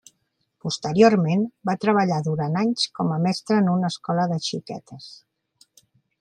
Posteriorment, va treballar durant anys com a mestra en una escola de xiquetes.